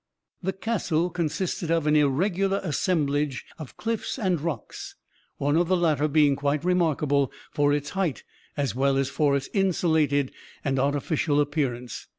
The 'castle' consisted of an irregular assemblage of cliffs and rocks one of the latter being quite remarkable for its height as well as for its insulated and artificial appearance.